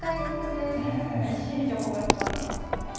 びっしり情報が詰まってます。